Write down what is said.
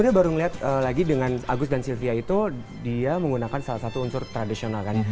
saya baru melihat lagi dengan agus dan sylvia itu dia menggunakan salah satu unsur tradisional kan